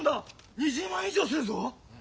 ２０万以上するぞ。